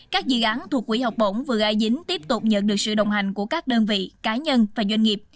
các dự án thuộc quỹ học bổng vừa a dính tiếp tục nhận được sự đồng hành của các đơn vị cá nhân và doanh nghiệp